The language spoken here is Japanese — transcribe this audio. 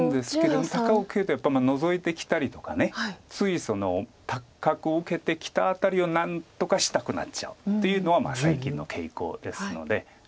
高く受けるとやっぱりノゾいてきたりとかつい高く受けてきた辺りを何とかしたくなっちゃうっていうのは最近の傾向ですので。